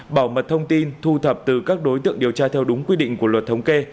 bảo mật thông tin thu thập từ các đối tượng điều tra theo đúng quy định của luật thống kê